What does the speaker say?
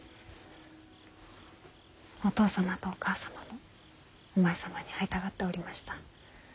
お義父様とお義母様もお前様に会いたがっておりました。